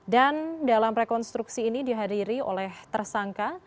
dan dalam rekonstruksi ini dihadiri oleh tersangka